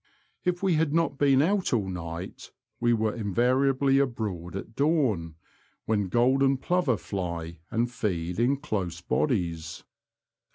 If we had not been out all night we were invariably abroad at dawn, when golden plover fly and feed in close bodies.